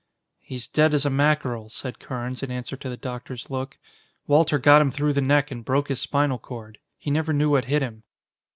"He's dead as a mackerel," said Carnes in answer to the doctor's look. "Walter got him through the neck and broke his spinal cord. He never knew what hit him."